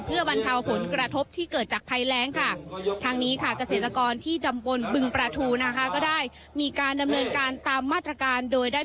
เพื่อบรรเทาผลกระทบที่เกิดจากภัยแรงค่ะ